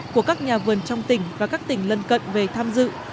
của các nhà vườn trong tỉnh và các tỉnh lân cận về tham dự